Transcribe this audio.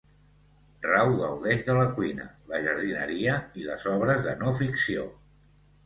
Rau gaudeix de la cuina, la jardineria i les obres de no-ficció.